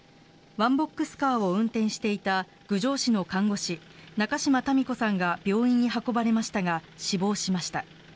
ワンボックスカーを運転していた郡上市の看護師中嶋多美子さんが病院に運ばれましたが死亡しました。